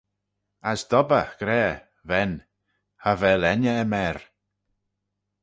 As dob eh, gra, Ven, cha vel enney aym er.